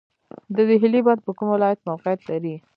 د دهلې بند په کوم ولایت کې موقعیت لري؟